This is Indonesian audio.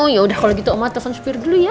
ya udah kalau gitu oma telfon supir dulu ya